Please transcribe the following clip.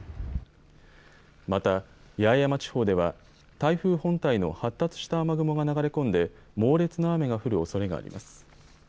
また八重山地方では台風本体の発達した雨雲が流れ込んで猛烈な雨が降るおそれがあります。